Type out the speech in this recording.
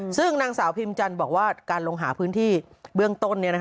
ซึ่งนางสาวพิมจันทร์บอกว่าการลงหาพื้นที่เบื้องต้น